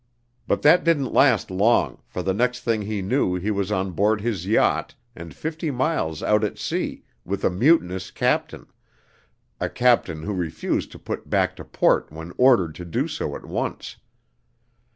But that didn't last long, for the next thing he knew he was on board his yacht and fifty miles out at sea with a mutinous captain a captain who refused to put back to port when ordered to do so at once.